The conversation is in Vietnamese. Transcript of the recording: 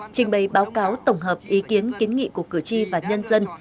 trình bày báo cáo tổng hợp ý kiến kiến nghị của cử tri và nhân dân